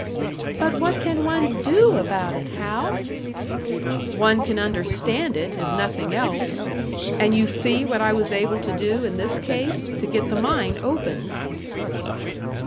"But what can one do about it, Hal?" "One can understand it, if nothing else. And you see what I was able to do in this case to get the mine open."